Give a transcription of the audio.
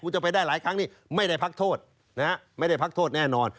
คุณจะไปได้หลายครั้งนี้ไม่ได้พักโทษนะฮะไม่ได้พักโทษแน่นอน